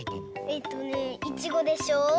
えっとねいちごでしょ。